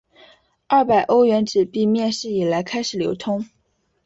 二百欧元纸币面世以来开始流通。